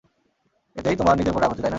এতেই তোমার নিজের উপর রাগ হচ্ছে, তাই না?